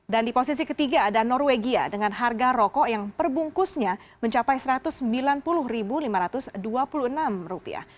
dan di posisi ke tiga ada norwegia dengan harga rokok yang perbungkusnya mencapai rp satu ratus sembilan puluh lima ratus dua puluh enam